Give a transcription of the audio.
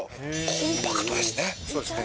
コンパクトですね。